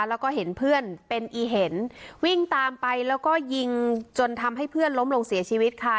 แล้วก็เห็นเพื่อนเป็นอีเห็นวิ่งตามไปแล้วก็ยิงจนทำให้เพื่อนล้มลงเสียชีวิตค่ะ